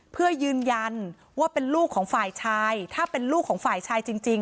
เพื่อยืนยันว่าเป็นลูกของฝ่ายชายถ้าเป็นลูกของฝ่ายชายจริง